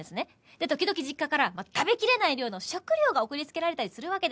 で時々実家から食べきれない量の食料が送りつけられたりするわけです。